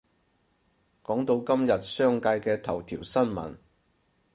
講到今日商界嘅頭條新聞